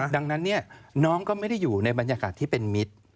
ดังนั้นน้องก็ไม่ได้อยู่ในบรรยากาศที่เป็นมิตร